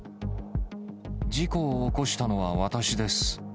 事故を起こしたのは私です。